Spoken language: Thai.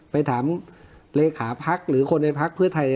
ไปถังเลขาพรรคหรือคนในพรรคพฤทัย